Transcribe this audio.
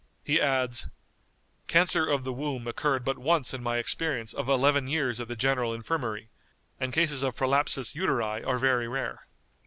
He adds, "Cancer of the womb occurred but once in my experience of eleven years at the General Infirmary, and cases of prolapsus uteri are very rare."